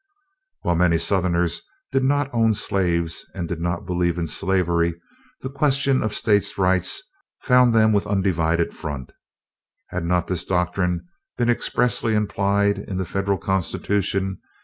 While many Southerners did not own slaves and did not believe in slavery, the question of States' Rights found them with undivided front. Had not this doctrine been expressly implied in the Federal Constitution?